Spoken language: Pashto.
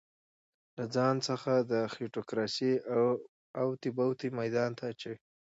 له ځان څخه د خېټوکراسۍ اوتې بوتې ميدان ته اچوي.